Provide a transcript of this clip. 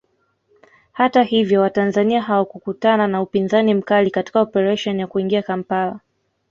Hata hivyo watanzania hawakukutana na upinzani mkali katika operesheni ya kuingia Kampala